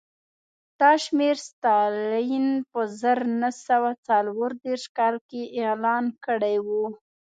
دا شمېر ستالین په زر نه سوه څلور دېرش کال کې اعلان کړی و